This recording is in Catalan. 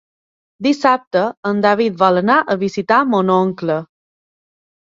Dissabte en David vol anar a visitar mon oncle.